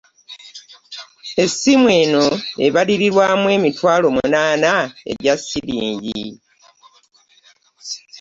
Essimu eno ebalirirwamu emitwalo munaana egya Ssiringi.